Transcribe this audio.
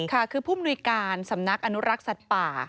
ค่ะคือผู้มนุยการสำนักอนุรักษ์สัตว์ป่า